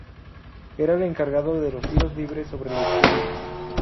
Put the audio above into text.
Era el encargado de los tiros libres sobre la izquierda.